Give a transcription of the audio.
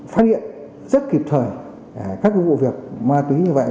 phát hiện rất kịp thời các vụ việc ma túy như vậy